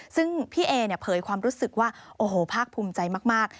ซึ่งพี่เอเนี่ยเผยความรู้สึกว่าโอ้โหภาคภูมิใจมาก